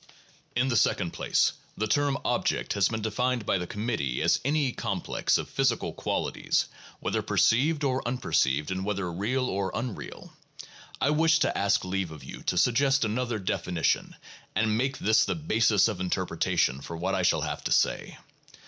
In the second place, the term 'object' has been defined by the Committee as " any complex of physical qualities, whether per ceived or unperceived and whether real or unreal." Iwish to ask leave of you to suggest another definition and make this the basis of interpretation for what I shall have to say.